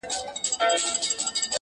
بل وايي چي روغتون ته وړل سوې نه ده،